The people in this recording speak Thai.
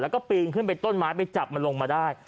แล้วก็ปีนขึ้นไปต้นไม้ไปจับมันลงมาได้